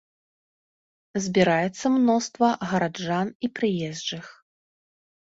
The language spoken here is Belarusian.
Збіраецца мноства гараджан і прыезджых.